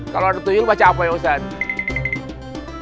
kalau ada tuyul baca apa ya ustadz